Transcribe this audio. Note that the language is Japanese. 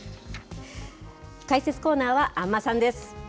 解説コーナーは安間さんです。